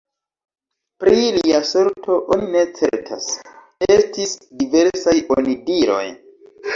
Pri lia sorto oni ne certas: estis diversaj onidiroj.